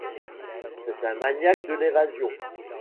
C'est un maniaque de l'évasion.